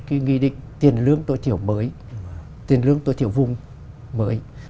cái nghị định tiền lương tối thiểu mới tiền lương tối thiểu vùng mới